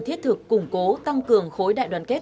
thiết thực củng cố tăng cường khối đại đoàn kết